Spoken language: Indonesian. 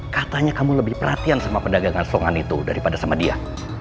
katanya kamu lebih perhatian sama pedagangan songan itu daripada sama dia